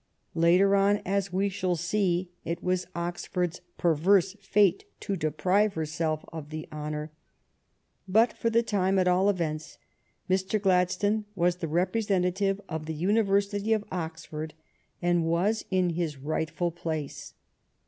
Later on, as we shall see, it was Oxford s perverse fate to deprive herself of the honor. But for the time, at all events, Mr. Gladstone was the representative of the University of Oxford, and was in his rightful place.